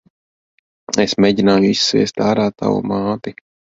Es mēgināju izsviest ārā tavu māti.